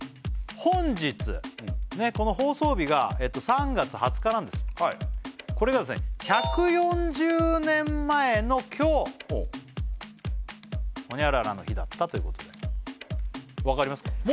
本日この放送日が３月２０日なんですこれが１４０年前の今日ホニャララの日だったということでわかりますか？